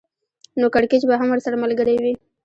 نو کړکېچ به هم ورسره ملګری وي